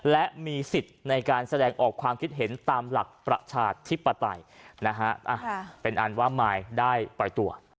และมีสิทธิ์ในการแสดงออกความคิดเห็นตามหลักประชาธิปไตยนะฮะเป็นอันว่ามายได้ปล่อยตัว